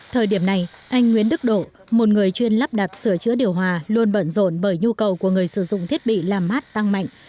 thời điểm này anh nguyễn đức độ một người chuyên lắp đặt sửa chữa điều hòa luôn bận rộn bởi nhu cầu của người sử dụng thiết bị làm mát tăng mạnh